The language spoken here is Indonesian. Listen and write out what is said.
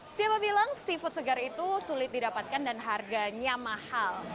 siapa bilang seafood segar itu sulit didapatkan dan harganya mahal